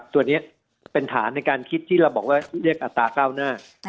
ตัวนี้เป็นฐานในการคิดที่เราบอกว่าเรียกอัตราเก้าหน้า